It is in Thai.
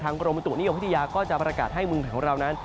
ทางกรมประตูนิยมพิทยาก็จะประกาศให้เมืองของเรานั้น